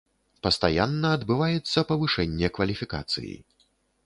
Пастаянна адбываецца павышэнне кваліфікацыі.